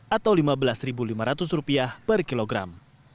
atau lima belas lima ratus rupiah per kilogram